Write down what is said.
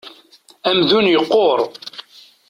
Amdun yequṛ.